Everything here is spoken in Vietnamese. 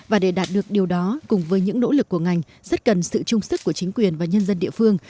và để đạt được điều đó cùng với những nỗ lực của ngành rất cần sự trung sức của chính quyền và nhân dân địa phương